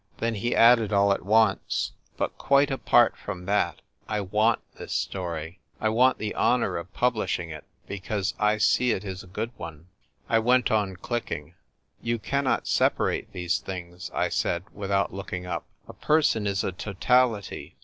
Then he added all at once, " But quite apart from that, I ivmit this story ; I want the honour of publishing it, because I see it is a good one." I went on clicking. " You cannot sepa rate these things," I said, without look ing up. " A person is a totality.